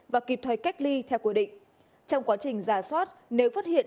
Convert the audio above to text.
và kịp thoại cách ly theo quy định trong quá trình ra soát nếu phát hiện